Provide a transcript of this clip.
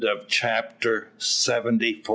CHAPTER SEVENTY FIVE.